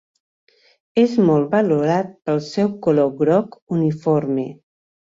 És molt valorat pel seu color groc uniforme.